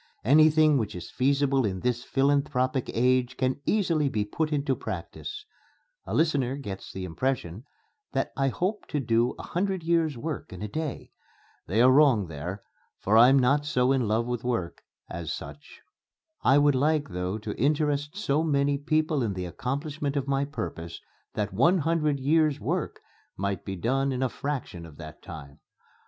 Anything which is feasible in this philanthropic age can easily be put into practice.... A listener gets the impression that I hope to do a hundred years' work in a day. They are wrong there, for I'm not so in love with work as such. I would like though to interest so many people in the accomplishment of my purpose that one hundred years' work might be done in a fraction of that time.